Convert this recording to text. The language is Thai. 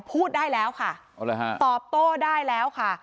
พูดได้แล้วค่ะตอบโต้ได้แล้วค่ะ